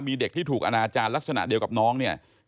มีเด็กที่ถูกอนาจารย์ลักษณะเดียวกับน้องเนี่ย